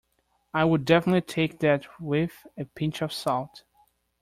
I would definitely take that with a pinch of salt